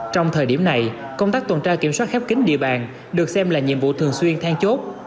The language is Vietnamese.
trong thời điểm này công tác tuần tra kiểm soát khép kính địa bàn được xem là nhiệm vụ thường xuyên thang chốt